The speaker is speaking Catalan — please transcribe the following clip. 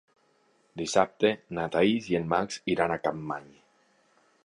Dissabte na Thaís i en Max iran a Capmany.